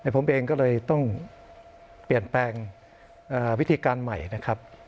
ผมเองก็เลยต้องเปลี่ยนแปลงวิธีการใหม่นะครับ